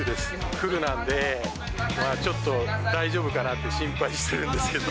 フルなんで、ちょっと大丈夫かなって心配してるんですけど。